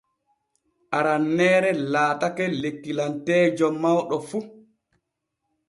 Aranneere laatake lekkilanteejo mawɗo fu.